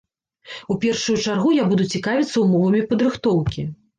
У першую чаргу я буду цікавіцца ўмовамі падрыхтоўкі.